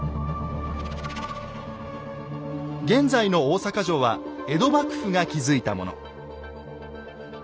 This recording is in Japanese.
現在の大坂城は江戸幕府が築いたもの。